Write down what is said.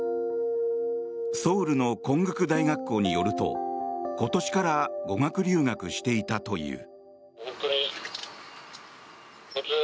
ソウルの建国大学校によると今年から語学留学していたという。